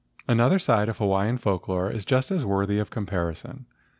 Another side of Hawaiian folk lore is just as worthy of comparison.